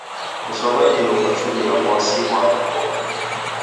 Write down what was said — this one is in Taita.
Kusow'a dilo kwachuria w'asi ghwa makongo.